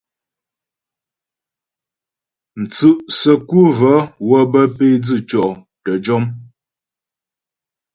Mtsʉ' səku və́ wə́ bə́ pé dzʉtyɔ' təjɔm.